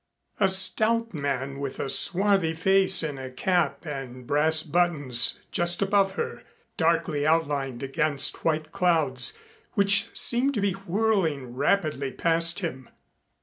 A stout man with a swarthy face in a cap and brass buttons, just above her, darkly outlined against white clouds which seemed to be whirling rapidly past him.